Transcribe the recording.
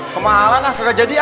kemahalan lah kagak jadi ya